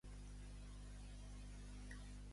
Esquema proposat per Smith et al.